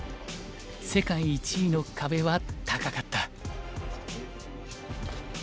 世界１位の壁は高かった。